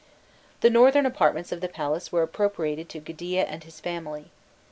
The northern apartments of the palace were appropriated to Gudea and his family.